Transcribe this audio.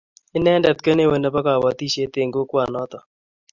Inendet ko neo nebo kobotisiet eng kokwanoto